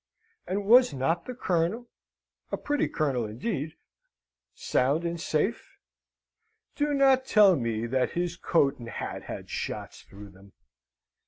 And was not the Colonel (a pretty Colonel, indeed!) sound and safe? Do not tell me that his coat and hat had shots through them!